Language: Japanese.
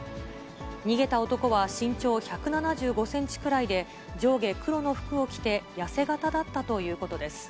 逃げた男は身長１７５センチくらいで、上下黒の服を着て、痩せ形だったということです。